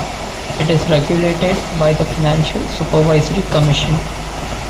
It is regulated by the Financial Supervisory Commission.